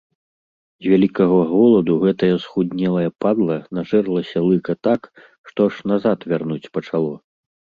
З вялікага голаду гэтая схуднелая падла нажэрлася лыка так, што аж назад вярнуць пачало.